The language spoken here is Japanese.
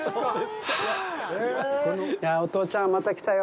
いやぁ、お父ちゃん、また来たよ。